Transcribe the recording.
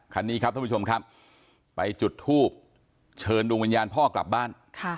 คันนี้ครับท่านผู้ชมครับไปจุดทูบเชิญดวงวิญญาณพ่อกลับบ้าน